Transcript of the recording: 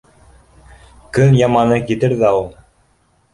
Көн яманы китер ҙә ул...